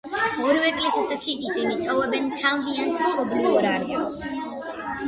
ორი წლის ასაკში ისინი ტოვებენ თავიანთ მშობლიურ არეალს.